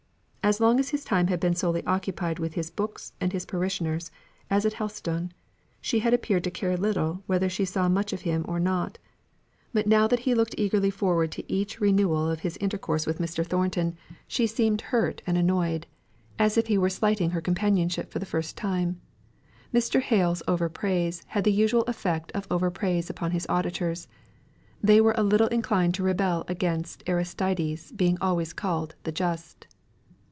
As long as his time had been solely occupied with his books and his parishioners, as at Helstone, she had appeared to care little whether she saw much of him or not; but now that he looked eagerly forward to each renewal of his intercourse with Mr. Thornton, she seemed hurt and annoyed, as if he were slighting her companionship for the first time. Mr. Hale's over praise had the usual effect of over praise upon his auditors; they were a little inclined to rebel against Aristides being always called the Just.